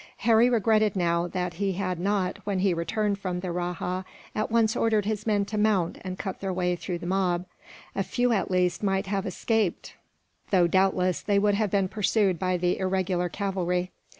Harry regretted, now, that he had not, when he returned from the rajah, at once ordered his men to mount and cut their way through the mob. A few at least might have escaped though, doubtless, they would have been pursued by the irregular cavalry.